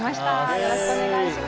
よろしくお願いします。